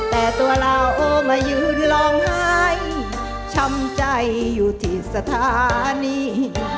แต่ตัวเราเออมายืนร้องไห้ช้ำใจอยู่ที่สถานี